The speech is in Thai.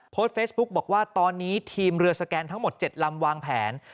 โพสต์เฟซบุ๊กบอกว่าตอนนี้ทีมเรือสแกนทั้งหมด๗ลำวางแผน